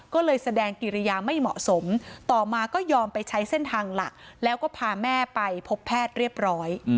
ก็เลยแสดงกิริยาไม่เหมาะสมต่อมาก็ยอมไปใช้เส้นทางหลักแล้วก็พาแม่ไปพบแพทย์เรียบร้อย